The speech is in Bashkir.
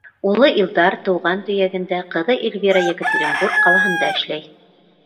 Улы Илдар — тыуған төйәгендә, ҡыҙы Эльвира Екатеринбург ҡалаһында эшләй.